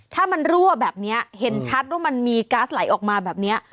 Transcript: ถ้ามันรั่วแบบนี้เห็นชัดว่ามันมีก๊าซไหลออกมาแบบนี้